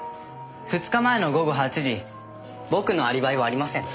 ２日前の午後８時僕のアリバイはありません。